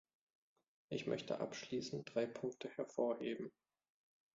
Ich möchte abschließend drei Punkte hervorheben.